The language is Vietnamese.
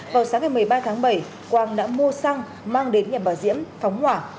vào sáng ngày một mươi ba tháng bảy quang đã mua xăng mang đến nhà bà diễm phóng hỏa